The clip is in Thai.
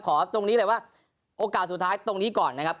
ตรงนี้เลยว่าโอกาสสุดท้ายตรงนี้ก่อนนะครับ